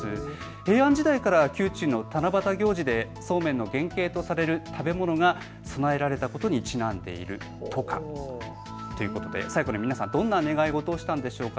平安時代から宮中の七夕行事でそうめんの原型とされる食べ物が供えられたことにちなんでいるとか。ということで最後に皆さん、どんな願い事をしたのでしょうか。